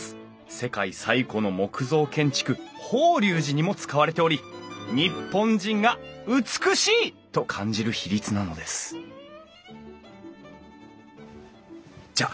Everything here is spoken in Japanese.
世界最古の木造建築法隆寺にも使われており日本人が美しいと感じる比率なのですじゃあ